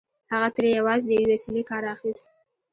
هغه ترې یوازې د یوې وسيلې کار اخيست